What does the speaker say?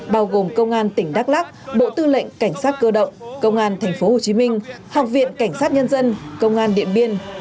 bao gồm công an tỉnh đắk lắc bộ tư lệnh cảnh sát cơ động công an tp hcm học viện cảnh sát nhân dân công an điện biên